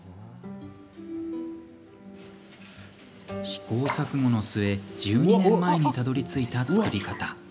試行錯誤の末１２年前にたどりついた造り方。